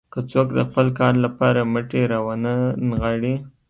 که څوک د خپل کار لپاره مټې راونه نغاړي.